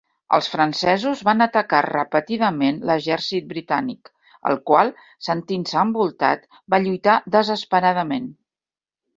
Els francesos van atacar repetidament l'exèrcit britànic, el qual, sentint-se envoltat, va lluitar desesperadament.